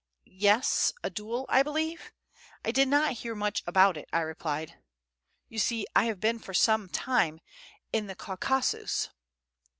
"Yes, a duel, I believe; I did not hear much about it," I replied. "You see, I have been for some time in the Caucasus."